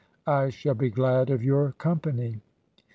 I shall be glad of your company."